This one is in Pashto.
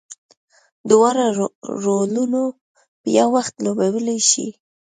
دواړه رولونه په یو وخت لوبولی شي.